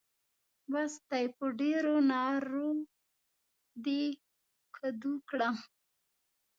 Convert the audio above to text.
بس دی؛ په ډېرو نارو دې کدو کړم.